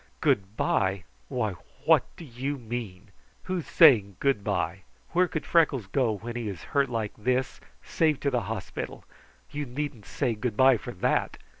"Good bye! Why, what do you mean? Who's saying good bye? Where could Freckles go, when he is hurt like this, save to the hospital? You needn't say good bye for that.